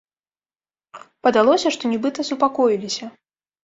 Падалося, што нібыта супакоіліся.